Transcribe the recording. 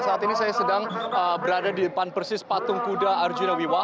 saat ini saya sedang berada di depan persis patung kuda arjuna wiwa